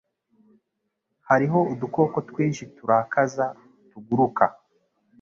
Hariho udukoko twinshi turakaza tuguruka.